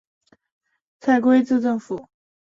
蔡圭字正甫。